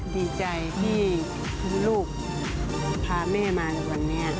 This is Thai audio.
ดีใจที่ลูกพาเมฆมาตลอดเนี่ย